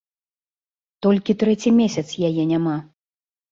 Толькі трэці месяц яе няма.